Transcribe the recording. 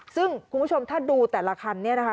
ซึ่งคุณผู้ชมถ้าดูแต่ละคันนี้นะคะ